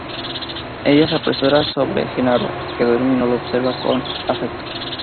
Ella se apresura sobre Gennaro que duerme y lo observa con afecto.